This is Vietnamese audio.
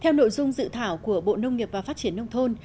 theo nội dung dự thảo của bộ nông nghiệp và phát triển nông thôn